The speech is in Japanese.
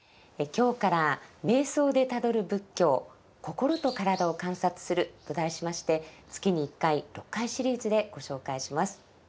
今日から「瞑想でたどる仏教心と身体を観察する」と題しまして月に１回６回シリーズでご紹介します。